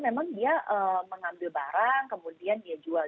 memang dia mengambil barang kemudian dia jual